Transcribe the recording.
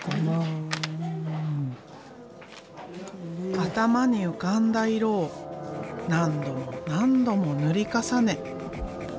頭に浮かんだ色を何度も何度も塗り重ね。